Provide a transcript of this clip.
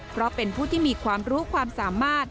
เพราะเป็นผู้ที่มีความรู้ความสามารถ